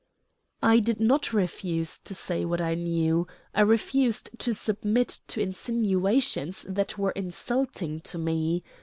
"I did not refuse to say what I knew I refused to submit to insinuations that were insulting to me.